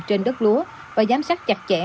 trên đất lúa và giám sát chặt chẽ